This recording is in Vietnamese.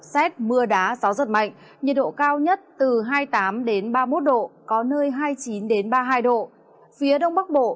xét mưa đá gió giật mạnh nhiệt độ cao nhất từ hai mươi tám ba mươi một độ có nơi hai mươi chín ba mươi hai độ phía đông bắc bộ